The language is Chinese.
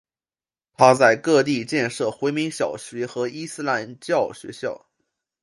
他在各地建设回民小学和伊斯兰教学校。